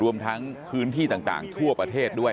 รวมทั้งพื้นที่ต่างทั่วประเทศด้วย